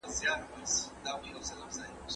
شاګردانو ته تل خپلواکي ورکول کېږي.